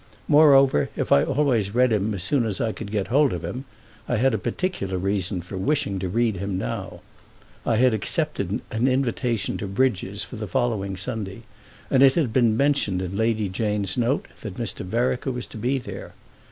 Moreover if I always read him as soon as I could get hold of him I had a particular reason for wishing to read him now: I had accepted an invitation to Bridges for the following Sunday, and it had been mentioned in Lady Jane's note that Mr. Vereker was to be there.